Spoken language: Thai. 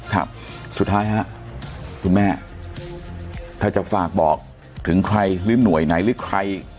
ครับสุดท้ายฮะคุณแม่ถ้าจะฝากบอกถึงใครหรือหน่วยไหนหรือใคร